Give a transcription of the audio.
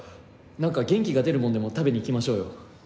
なんか元気が出るものでも食べに行きましょうよ。